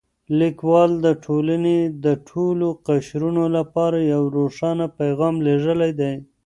لیکوال د ټولنې د ټولو قشرونو لپاره یو روښانه پیغام لېږلی دی.